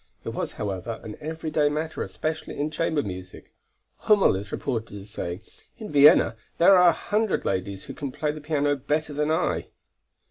It was, however, an every day matter especially in chamber music. Hümmel is reported as saying: "In Vienna there are a hundred ladies who can play the piano better than I."